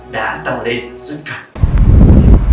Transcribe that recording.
đã tăng lên rất cao